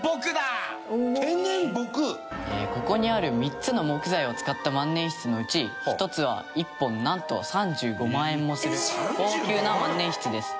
ここにある３つの木材を使った万年筆のうち１つは１本なんと３５万円もする高級な万年筆です。